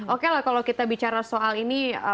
oke lah kalau kita bicara soal ini